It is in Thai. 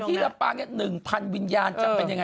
มีคนสแกนที่นั่งไว้สแกนกรรมไง